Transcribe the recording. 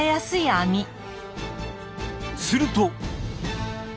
すると。